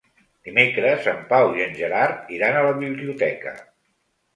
Dimecres en Pau i en Gerard iran a la biblioteca.